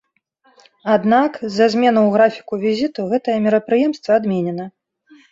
Аднак з-за зменаў у графіку візіту гэтае мерапрыемства адменена.